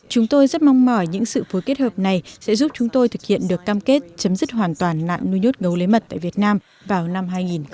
chúng tôi rất mong mỏi những sự phối kết hợp này sẽ giúp chúng tôi thực hiện được cam kết chấm dứt hoàn toàn nạn nuôi nhốt gấu lấy mật tại việt nam vào năm hai nghìn hai mươi